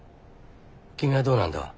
君はどうなんだ？